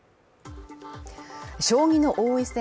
将棋の王位戦